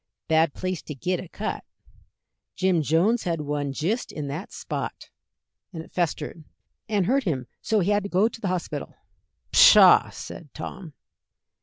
"Bad place to git a cut. Jim Jones had one jist in that spot, and it festered, and hurt him so he had to go to the hospital." "Pshaw!" said Tom.